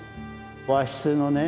和室のね